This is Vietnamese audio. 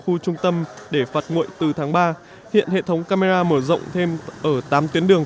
khu trung tâm để phạt nguội từ tháng ba hiện hệ thống camera mở rộng thêm ở tám tuyến đường